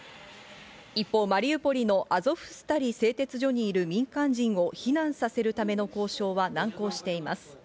一方、マリウポリのアゾフスタリ製鉄所にいる民間人を避難させるための交渉は難航しています。